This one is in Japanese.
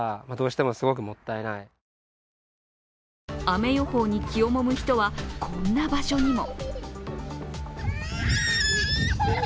雨予報に気をもむ人は、こんな場所にも。